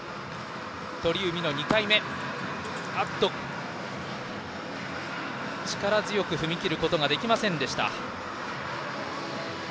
鳥海の２回目は力強く踏み切ることができませんでした。